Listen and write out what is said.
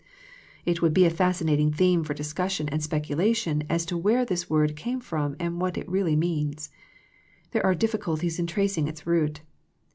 It would be a fascinating theme for dis cussion and speculation as to where this word came from and what it really means. There are difficulties in tracing its root.